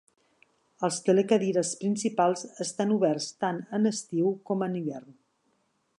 Els telecadires principals estan oberts tant en estiu com en hivern.